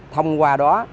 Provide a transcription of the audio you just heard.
thông qua đó